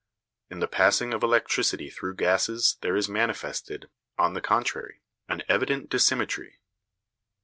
In the passing of electricity through gases there is manifested, on the contrary, an evident dissymmetry.